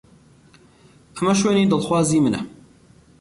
ئەمە شوێنی دڵخوازی منە.